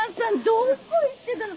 どこ行ってたの？